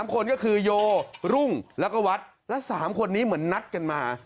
๓คนก็คือโยรุ่งแล้วก็วัดและ๓คนนี้เหมือนนัดกันมา